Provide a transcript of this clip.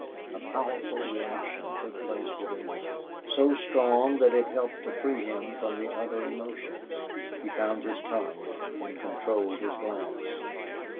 A powerful reaction took place within him, so strong that it helped to free him from the other emotions. He found his tongue and controlled his glance.